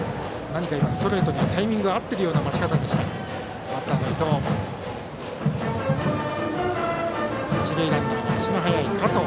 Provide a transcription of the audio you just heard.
何かストレートにはタイミングが合っているような待ち方でしたバッターの伊藤。